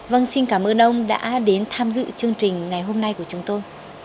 vâng xin cảm ơn ông đã đến tham dự chương trình ngày hôm nay của chúng tôi